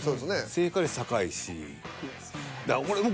正解率高いし。